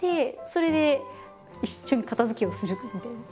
それで一緒に片づけをするみたいな。